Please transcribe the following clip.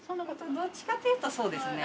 どっちかというとそうですね。